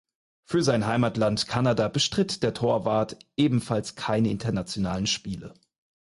Für sein Heimatland Kanada bestritt der Torwart ebenfalls keine internationalen Spiele.